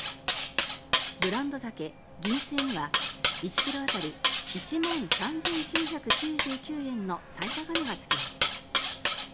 ブランドザケ銀聖には１ｋｇ当たり１万３９９９円の最高値がつきました。